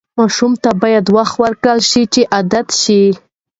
ماشوم ته باید وخت ورکړل شي چې عادت شي.